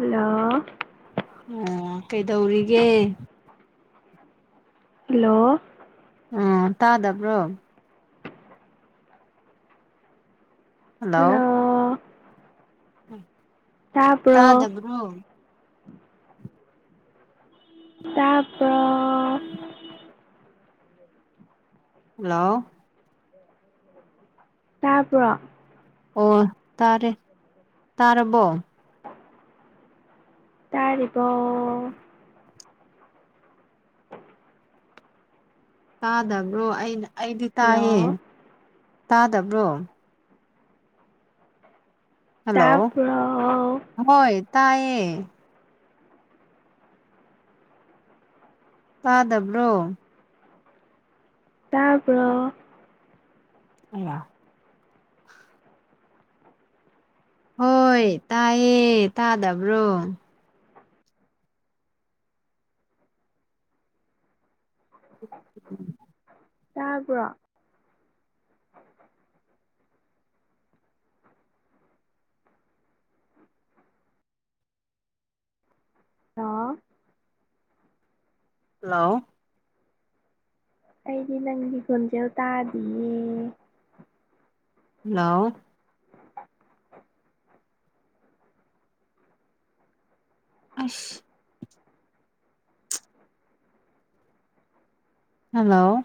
Hello ꯑꯣ ꯀꯩꯗꯧꯔꯤꯒꯦ꯫ Hello ꯎ ꯇꯥꯗꯕ꯭ꯔꯣ ꯍꯜꯂꯣ ꯎ ꯇꯥꯕ꯭ꯔꯣ ꯇꯥꯗꯕ꯭ꯔꯣ ꯇꯄ꯭ꯔ ꯍꯜꯂꯣ ꯇꯥꯄ ꯑꯣ ꯇꯥꯔꯦ ꯇꯥꯔꯕꯣ ꯇꯥꯔꯤꯔꯤꯕꯣ ꯇꯥꯗꯕ꯭ꯔꯣ ꯑ ꯑꯩꯗꯤ ꯇꯥꯏꯌꯦ ꯍꯜꯂꯣ ꯇꯥꯗꯕ꯭ꯔꯣ ꯍꯜꯂꯣ ꯇꯥꯄ ꯍꯣꯏ ꯇꯥꯏꯑꯌꯦ ꯇꯥꯗꯕ꯭ꯔꯣ ꯇꯥꯄ ꯑ ꯍꯣꯏ ꯇꯥꯏꯌꯦ ꯇꯥꯗꯕ꯭ꯔꯣ ꯎꯝ ꯇꯥꯔꯕ꯭ꯔꯣ ꯑ ꯍꯜꯂꯣ ꯑꯩꯗꯤ ꯅꯪꯗꯤ ꯈꯣꯟꯖꯦꯜ ꯇꯥꯗꯤꯌꯦ ꯍꯜꯂꯣ ꯑꯁ ꯍꯜꯂꯣ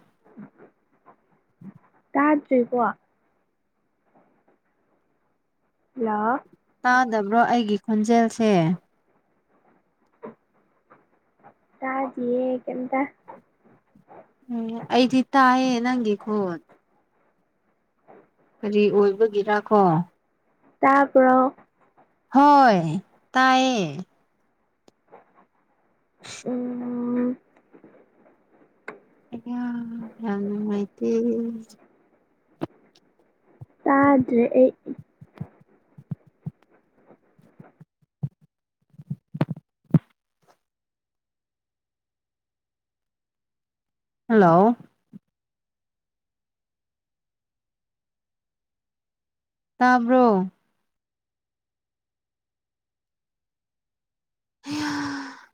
ꯇꯥꯗ꯭ꯔꯦꯀꯣ ꯍꯜꯂꯣ ꯇꯥꯗꯕ꯭ꯔꯣ ꯑꯩꯒꯤ ꯈꯣꯟꯖꯦꯜꯁꯦ ꯇꯥꯗꯤꯌꯦ ꯀꯝꯇ ꯎꯝ ꯑꯩꯗꯤ ꯇꯥꯏꯌꯦ ꯅꯪꯒꯤ ꯈꯣꯠ ꯀꯔꯤ ꯑꯣꯏꯕꯒꯤꯔ ꯀꯣ ꯇꯥꯄ ꯍꯣꯏ ꯇꯥꯏꯌꯦ ꯎꯝ ꯌꯥꯝ ꯃꯥꯩꯇ ꯇꯥꯗ꯭ꯔꯦ ꯑꯩ ꯍꯜꯂꯣ ꯇꯥꯕ꯭ꯔꯣ ꯍꯦ